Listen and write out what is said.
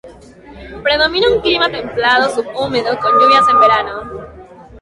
Predomina un clima templado subhúmedo, con lluvias en verano.